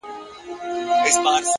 که ستا د قبر جنډې هر وخت ښکلول گلونه;